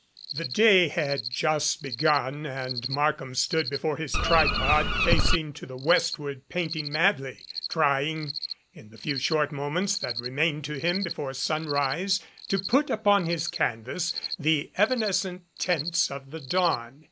The day had just begun and Markham stood before his tripod facing to the westward painting madly, trying, in the few short moments that remained to him before sun rise, to put upon his canvas the evanescent tints of the dawn.